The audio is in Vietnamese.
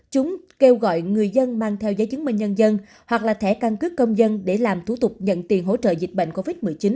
chúng kêu gọi người dân mang theo giấy chứng minh nhân dân hoặc là thẻ căn cước công dân để làm thủ tục nhận tiền hỗ trợ dịch bệnh covid một mươi chín